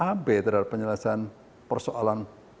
abe terhadap penyelesaian persoalan